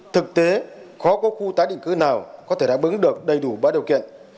thực tế khó có khu tái định cư nào có thể đảm bảo được đầy đủ ba điều kiện